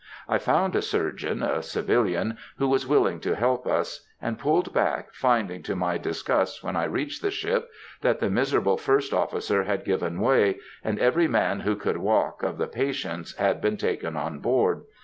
I found a surgeon—a civilian—who was willing to help us, and pulled back, finding to my disgust, when I reached the ship, that the miserable first officer had given way, and every man who could walk of the patients had been taken on board.